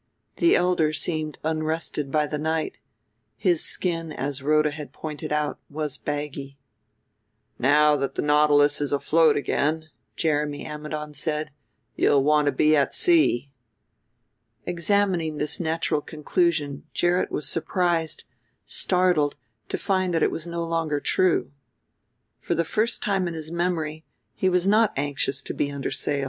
The elder seemed unrested by the night, his skin, as Rhoda had pointed out, was baggy. "Now that the Nautilus is afloat again," Jeremy Ammidon said, "you'll want to be at sea." Examining this natural conclusion, Gerrit was surprised, startled, to find that it was no longer true. For the first time in his memory he was not anxious to be under sail.